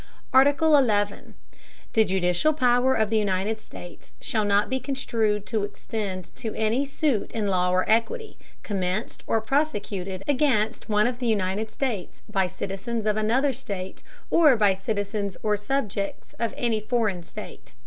XI. The Judicial power of the United States shall not be construed to extend to any suit in law or equity, commenced or prosecuted against one of the United States by Citizens of another State, or by Citizens or Subjects of any Foreign State.